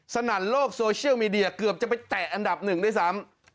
นั่นโลกโซเชียลมีเดียเกือบจะไปแตะอันดับหนึ่งด้วยซ้ำ